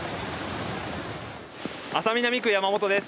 安佐南区山本です。